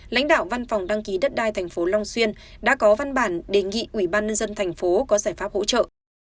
lãnh đạo văn phòng đăng ký đất đai tp long xuyên đã có văn bản đề nghị ubnd tp có giải pháp hỗ trợ